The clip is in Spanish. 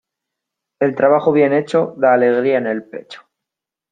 El trabajo bien hecho da alegría en el pecho.